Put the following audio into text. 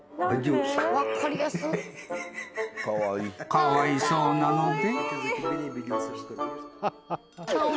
［かわいそうなので］